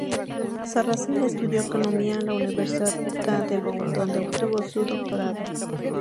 Sarrazin estudió economía en la Universidad de Bonn, donde obtuvo su doctorado.